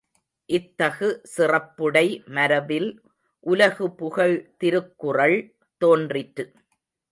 இத்தகு சிறப்புடை மரபில் உலகுபுகழ் திருக்குறள் தோன்றிற்று.